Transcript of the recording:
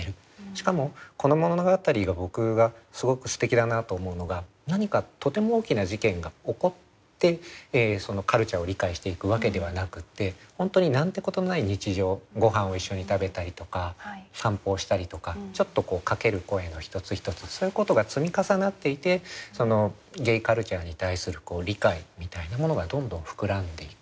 しかもこの物語が僕がすごくすてきだなと思うのが何かとても大きな事件が起こってそのカルチャーを理解していくわけではなくって本当に何てことない日常ごはんを一緒に食べたりとか散歩をしたりとかちょっとかける声の一つ一つそういうことが積み重なっていてそのゲイカルチャーに対する理解みたいなものがどんどん膨らんでいく。